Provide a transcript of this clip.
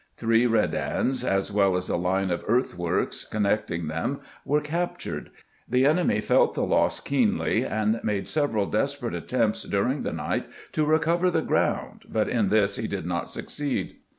Three redans, as well as a line of earthworks connecting them, were cap tured. The enemy felt the loss keenly, and made sev eral desperate attempts during the night to recover the ground, but in this he did not succeed.